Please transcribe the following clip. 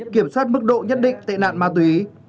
kiểm soát mức độ nhất định tệ nạn ma túy